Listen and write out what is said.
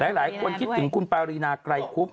หลายคนคิดถึงคุณปารีนาไกรคุบ